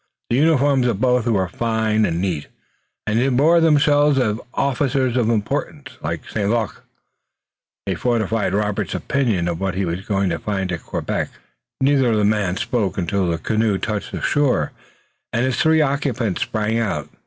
The uniforms of both were fine and neat, and they bore themselves as officers of importance. Like St. Luc, they fortified Robert's opinion of what he was going to find at Quebec. Neither of the men spoke until the canoe touched the shore, and its three occupants sprang out.